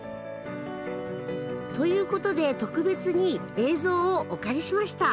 という事で特別に映像をお借りしました。